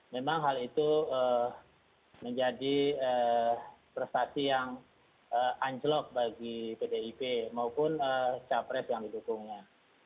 memang hal itu menjadi prestasi yang anjlok bagi pdip maupun capres yang didukungnya